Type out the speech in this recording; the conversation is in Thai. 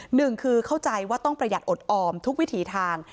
หนึ่งคือเข้าใจว่าต้องประหยัดอดออมทุกวิถีทาง